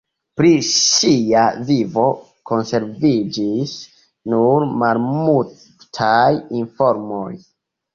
Pri ŝia vivo konserviĝis nur malmultaj informoj.